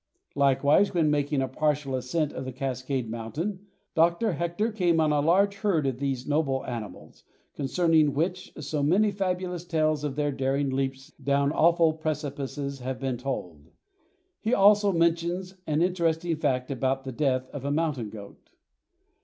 Likewise when making a partial ascent of the Cascade Mountain, Dr. Hector came on a large herd of these noble animals, concerning which so many fabulous tales of their daring leaps down awful precipices have been told. He also mentions an interesting fact about the death of a mountain goat.